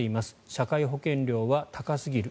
社会保険料は高すぎる。